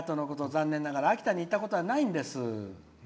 残念ながら秋田に行ったことはないんです。